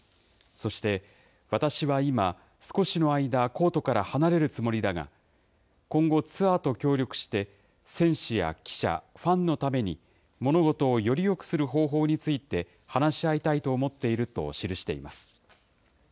そして、私は今、少しの間、コートから離れるつもりだが、今後、ツアーと協力して、選手や記者、ファンのために、物事をよりよくする方法について、話し合いたいと思っていると記しています。